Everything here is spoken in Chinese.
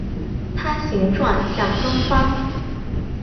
它形状像风帆。